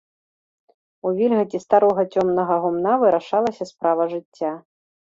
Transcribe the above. У вільгаці старога цёмнага гумна вырашалася справа жыцця.